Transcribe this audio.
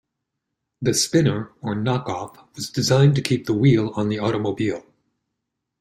The spinner or "knock-off" was designed to keep the wheel on the automobile.